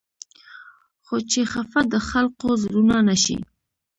خو چې خفه د خلقو زړونه نه شي